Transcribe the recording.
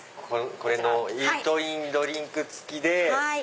これのイートインドリンク付きで。